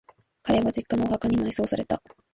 彼は、実家のお墓に埋葬された。